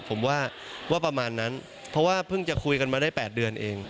ผมว่าว่าประมาณนั้นเพราะว่าเพิ่งจะคุยกันมาได้๘เดือนเอง